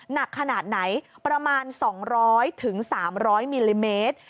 หนักขนาดไหนประมาณ๒๐๐๓๐๐มิลลิเมตร